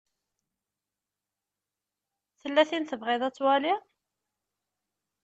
Tella tin i tebɣiḍ ad twaliḍ?